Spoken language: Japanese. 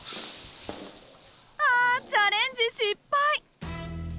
あチャレンジ失敗！